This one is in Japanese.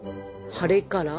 晴れから？